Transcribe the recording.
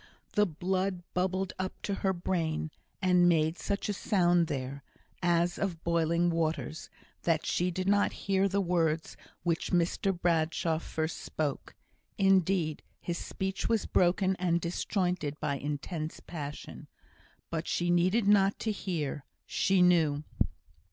The blood bubbled up to her brain, and made such a sound there, as of boiling waters, that she did not hear the words which Mr Bradshaw first spoke; indeed, his speech was broken and disjointed by intense passion. But she needed not to hear; she knew.